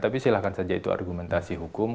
tapi silahkan saja itu argumentasi hukum